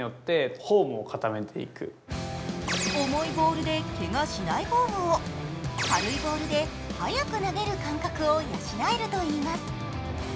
重いボールでけがしないフォームを、軽いボールで速く投げる感覚を養えるといいます。